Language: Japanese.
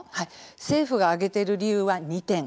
政府が挙げている理由は２点。